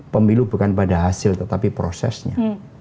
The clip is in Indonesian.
pemilu bukan pada hasil tetapi prosesnya